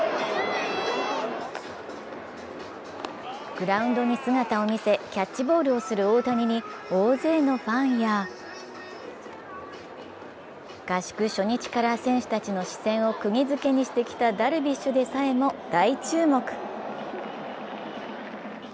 グラウンドに姿を見せ、キャッチボールをする大谷に大勢のファンや合宿初日から選手たちの視線をくぎ付けにしてきたダルビッシュでさえも大注目。